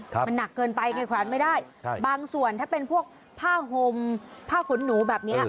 มันหนักเกินไปไงขวานไม่ได้ครับบางส่วนถ้าเป็นพวกผ้าห่มผ้าขนหนูแบบเนี้ย